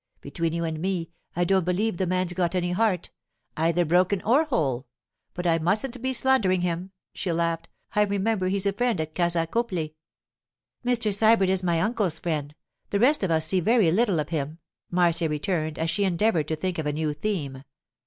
Between you and me, I don't believe the man's got any heart—either broken or whole. But I mustn't be slandering him,' she laughed. 'I remember he's a friend at Casa Copley.' 'Mr. Sybert is my uncle's friend; the rest of us see very little of him,' Marcia returned as she endeavoured to think of a new theme.